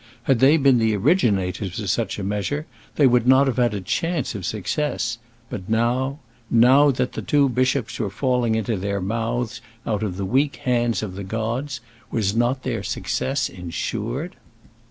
Had they been the originators of such a measure they would not have had a chance of success; but now now that the two bishops were falling into their mouths out of the weak hands of the gods, was not their success ensured?